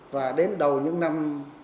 và đến đầu những năm hai nghìn một mươi một